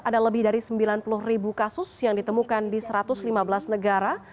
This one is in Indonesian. ada lebih dari sembilan puluh ribu kasus yang ditemukan di satu ratus lima belas negara